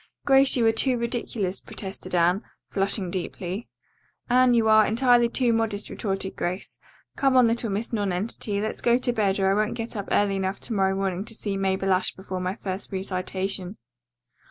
"Grace, you are too ridiculous," protested Anne, flushing deeply. "Anne, you are entirely too modest," retorted Grace. "Come on, little Miss Nonentity, let's go to bed or I won't get up early enough to morrow morning to see Mabel Ashe before my first recitation."